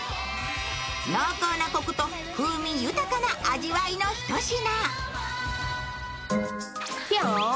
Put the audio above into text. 濃厚なこくと風味豊かな味わいのひと品。